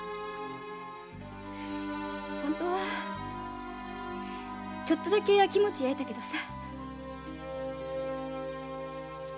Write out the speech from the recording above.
ほんとはちょっとだけ焼きもち焼いたけどさ。